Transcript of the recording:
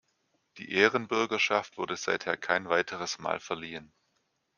Die Ehrenbürgerschaft wurde seither kein weiteres Mal verliehen.